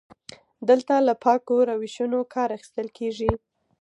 دلته له پاکو روشونو کار اخیستل کیږي.